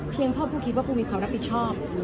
เพราะปูคิดว่าปูมีความรับผิดชอบ